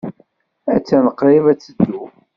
Attan qrib ad teddu.